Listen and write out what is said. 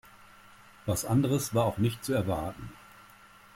Was anderes war auch nicht zu erwarten.